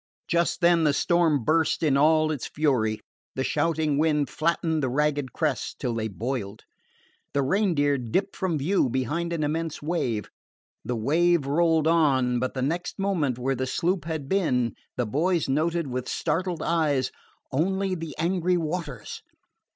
Just then the storm burst in all its fury, the shouting wind flattening the ragged crests till they boiled. The Reindeer dipped from view behind an immense wave. The wave rolled on, but the next moment, where the sloop had been, the boys noted with startled eyes only the angry waters!